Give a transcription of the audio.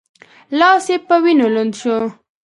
لاس یې په وینو لند شو.